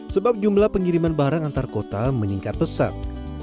sebab jumlah pengiriman barang antar kota meningkat pesat